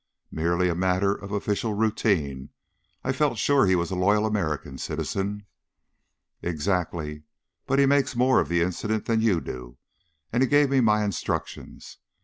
"Merely a matter of official routine. I felt sure he was a loyal American citizen." "Exactly. But he makes more of the incident than you do, and he gave me my instructions.